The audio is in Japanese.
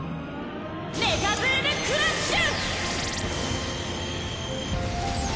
メガブーム・クラッシュ！